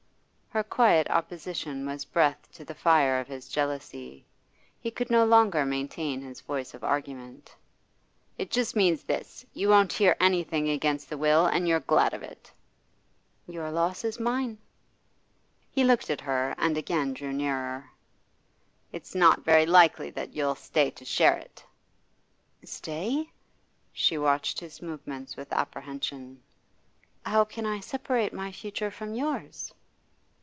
Her quiet opposition was breath to the fire of his jealousy. He could no longer maintain his voice of argument. 'It just means this: you won't hear anything against the will, and you're glad of it.' 'Your loss is mine.' He looked at her and again drew nearer. 'It's not very likely that you'll stay to share it.' 'Stay?' She watched his movements with apprehension. 'How can I separate my future from yours?